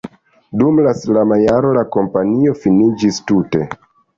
Dum la sama jaro la kompanio finiĝis tute.